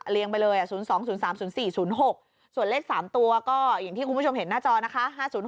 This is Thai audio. ไปเลย๐๒๐๓๐๔๐๖ส่วนเลข๓ตัวก็อย่างที่คุณผู้ชมเห็นหน้าจอนะคะ